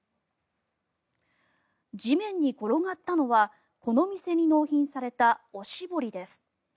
地面に転がったのはこの店に納品されたおしぼりです。